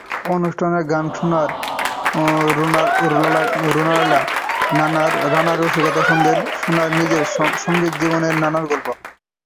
অনুষ্ঠানে গান শোনান রুনা লায়লা, নানা রসিকতাচ্ছলে শোনান নিজের সংগীতজীবনের নানা গল্প।